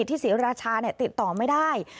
ที่เสียราชาติดต่อไม่ได้